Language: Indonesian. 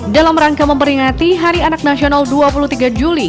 dalam rangka memperingati hari anak nasional dua puluh tiga juli